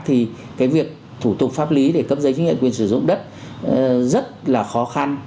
thì cái việc thủ tục pháp lý để cấp giấy chứng nhận quyền sử dụng đất rất là khó khăn